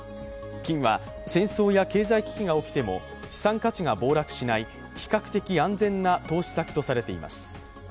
金は戦争や経済危機が起きても資産価値が暴落しない、比較的安全な投資先とされています。